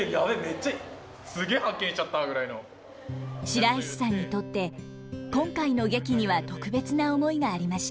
白石さんにとって今回の劇には特別な思いがありました。